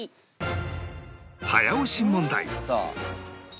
早押し問題